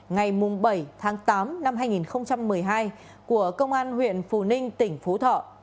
ngày bảy tháng tám năm hai nghìn một mươi hai của công an huyện phù ninh tỉnh phú thọ